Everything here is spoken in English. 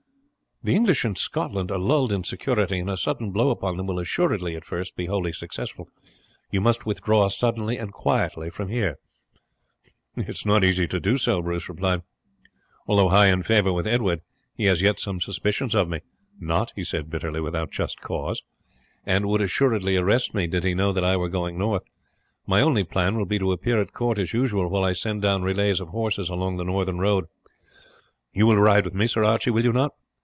"The English in Scotland are lulled in security, and a sudden blow upon them will assuredly at first be wholly successful. You must withdraw suddenly and quietly from here." "It is not easy to do so," Bruce replied. "Although high in favour with Edward, he has yet some suspicions of me not," he said bitterly, "without just cause and would assuredly arrest me did he know that I were going north. My only plan will be to appear at court as usual, while I send down relays of horses along the northern road. You will ride with me, Sir Archie, will you not?